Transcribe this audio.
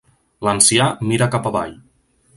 L'ancià mira cap avall.